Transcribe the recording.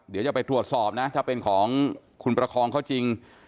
เดี๋ยวจะไปตรวจสอบนะถ้าเป็นของคุณประคองเขาจริง